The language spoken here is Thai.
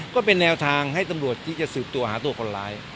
ก็เป็นแนวทางให้ตำรวจที่จะสืบตัวหาตัวคนร้าย